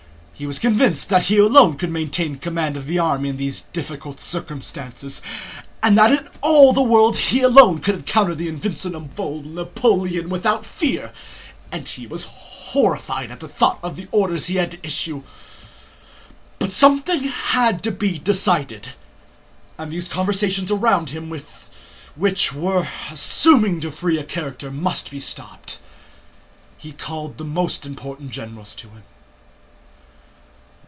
He was convinced that he alone could maintain command of the army in these difficult circumstances, and that in all the world he alone could encounter the invincible Napoleon without fear, and he was horrified at the thought of the order he had to issue. But something had to be decided, and these conversations around him which were assuming too free a character must be stopped. He called the most important generals to him.